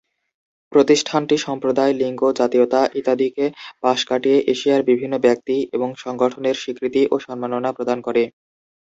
প্রতিষ্ঠানটি সম্প্রদায়, লিঙ্গ, জাতীয়তা ইত্যাদিকে পাশ কাটিয়ে এশিয়ার বিভিন্ন ব্যক্তি এবং সংগঠনের স্বীকৃতি ও সম্মাননা প্রদান করে।